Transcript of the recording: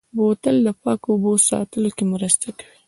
بوتل د پاکو اوبو ساتلو کې مرسته کوي.